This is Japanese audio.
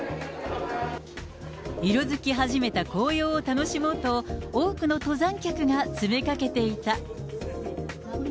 色づき始めた紅葉を楽しもうと、多くの登山客が詰めかけていた。